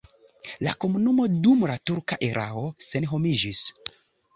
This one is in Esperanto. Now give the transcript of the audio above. La komunumo dum la turka erao senhomiĝis.